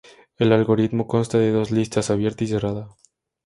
El algoritmo consta de dos listas, Abierta, y Cerrada.